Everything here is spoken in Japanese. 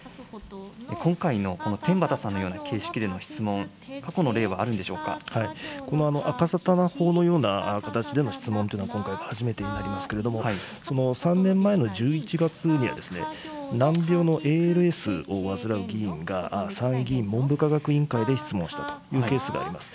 今回のこの天畠さんのような形式での質問、過去の例はあるんでしあかさたな法のような形での質問というのは、今回が初めてになりますけれども、３年前の１１月には、難病のＡＬＳを患う議員が、参議院文部科学委員会で質問したというケースがあります。